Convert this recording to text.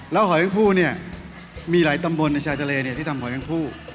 แล้วหอยคู่เนี่ยมีหลายตำบลในชายทะเลที่ทำหอยทั้งคู่